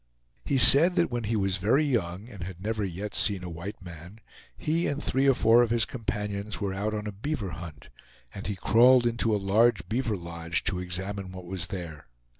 He said that when he was very young, and had never yet seen a white man, he and three or four of his companions were out on a beaver hunt, and he crawled into a large beaver lodge, to examine what was there.